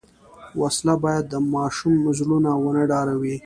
وسله باید د ماشوم زړونه ونه ډاروي